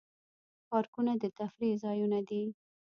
پارکونه د تفریح ځایونه دي